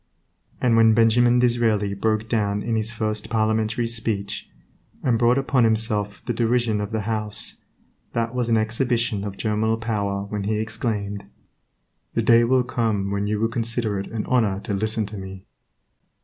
And when Benjamin Disraeli broke down in his first Parliamentary speech, and brought upon himself the derision of the House, that was an exhibition of germinal power when he exclaimed, "The day will come when you will consider it an honor to listen to me."